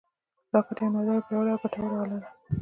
راکټ یوه نادره، پیاوړې او ګټوره اله ده